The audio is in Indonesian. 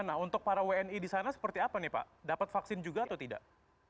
nah untuk para wni di sana seperti apa nih pak dapat vaksin juga atau tidak